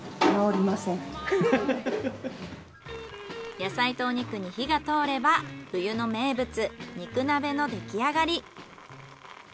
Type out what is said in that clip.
野菜とお肉に火が通れば冬の名物肉鍋のできあがり。